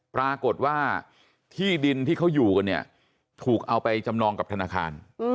ปรากฏว่าที่ดินที่เขาอยู่กันเนี่ยถูกเอาไปจำนองกับธนาคาร